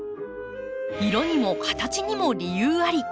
色にも形にも理由あり。